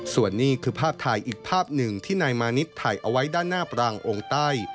ส่วนนี้คือภาพถ่ายอีกภาพหนึ่งที่นายมานิดถ่ายเอาไว้ด้านหน้าปรางองค์ใต้